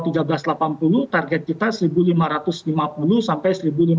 target kita seribu lima ratus lima puluh sampai seribu lima ratus delapan puluh